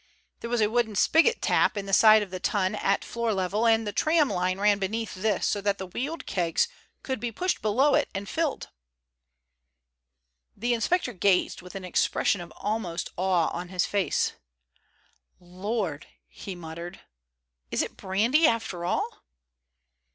There was a wooden spigot tap in the side of the tun at floor level, and the tramline ran beneath this so that the wheeled kegs could be pushed below it and filled. The inspector gazed with an expression of almost awe on his face. "Lord!" he muttered. "Is it brandy after all?"